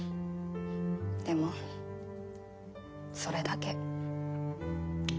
でもそれだけ。